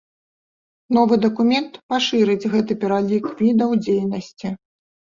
Новы дакумент пашырыць гэты пералік відаў дзейнасці.